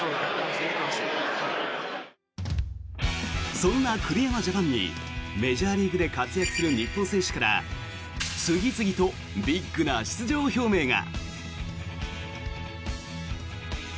そんな栗山ジャパンにメジャーリーグで活躍する日本選手から次々とビッグな出場表明が。